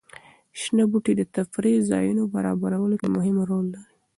شنه بوټي د تفریح ځایونو برابرولو کې مهم رول لري.